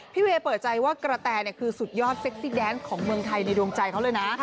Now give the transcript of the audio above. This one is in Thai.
พี่เวย์เปิดใจว่ากระแตคือสุดยอดเซ็กซี่แดนของเมืองไทยในดวงใจเขาเลยนะ